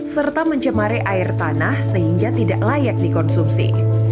serta mencemari air tanah sehingga tidak layak dikonsumsi